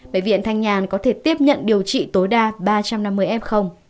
bệnh viện thanh nhàn có thể tiếp nhận điều trị tối đa ba trăm năm mươi f